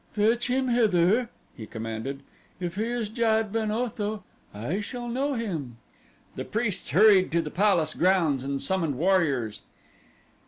"Fetch him hither!" he commanded. "If he is Jad ben Otho I shall know him." The priests hurried to the palace grounds and summoned warriors.